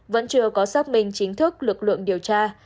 vẫn chưa có xác minh chính thức lực lượng điều tra